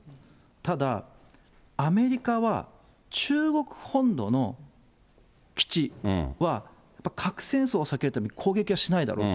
ただアメリカは、中国本土の基地は、核戦争を避けるために攻撃はしないだろうと。